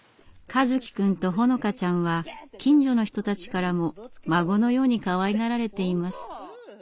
和希くんと穂乃香ちゃんは近所の人たちからも孫のようにかわいがられています。